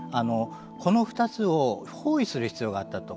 この２つを包囲する必要があったと。